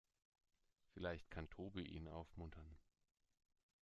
Vielleicht kann Tobi ihn aufmuntern.